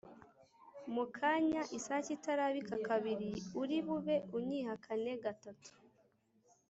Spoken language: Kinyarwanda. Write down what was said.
Mu kanya isake itarabika kabiri uri bube unyihakane gatatu